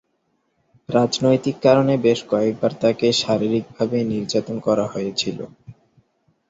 রাজনৈতিক কারণে বেশ কয়েকবার তাকে শারীরিক ভাবে নির্যাতন করা হয়েছিল।